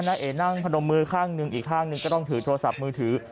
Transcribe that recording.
เอ๋นั่งพนมมือข้างหนึ่งอีกข้างหนึ่งก็ต้องถือโทรศัพท์มือถือ